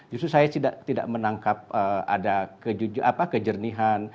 justru saya tidak menangkap ada kejernihan